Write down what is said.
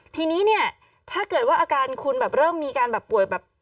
ทีนี้ถ้าเกิดว่าอาการคุณเริ่มมีการป่วย